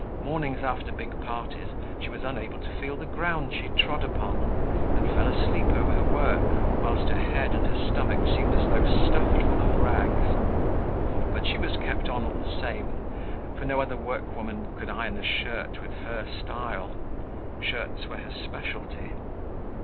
Mornings after big parties she was unable to feel the ground she trod upon, and fell asleep over her work, whilst her head and her stomach seemed as though stuffed full of rags. But she was kept on all the same, for no other workwoman could iron a shirt with her style. Shirts were her specialty.